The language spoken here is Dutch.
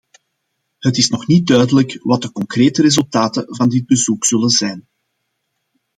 Het is nog niet duidelijk wat de concrete resultaten van dit bezoek zullen zijn.